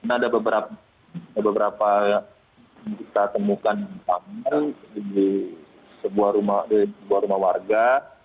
ada beberapa yang kita temukan tangan di sebuah rumah warga